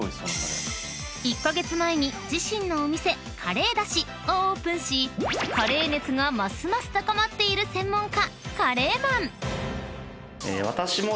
［１カ月前に自身のお店「カレーだしっ！」をオープンしカレー熱がますます高まっている専門家］